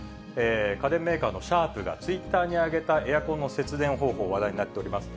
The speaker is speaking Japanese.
家電メーカーのシャープがツイッターに上げた、エアコンの節電方法、話題になっております。